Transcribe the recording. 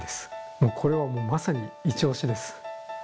これはもうまさにイチオシです。